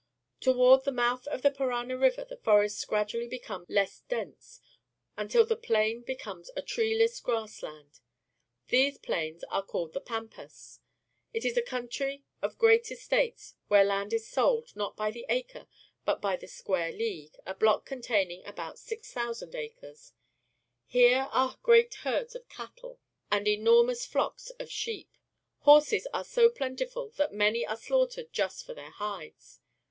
— Toward the mouth of the Parana River the forests gradually become less dense, until the plain becomes a treeless grass land. These plains are called the painpas. It is a country of great estates, where land is sold, not by the acre, but bj'^ the square league, a block containing about G,000 acres. Here are great herds of cattle and enormous flocks of sheep. Horses are so plentiful that many are slaughtered just for their hides.